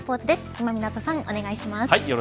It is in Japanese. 今湊さんお願いします。